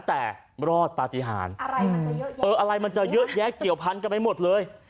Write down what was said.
แต่รอดปฏิหารอะไรมันจะเยอะแยะเกี่ยวพันกันไปหมดเลย